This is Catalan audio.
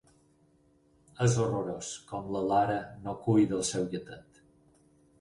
És horrorós com la Lara no cuida el seu gatet.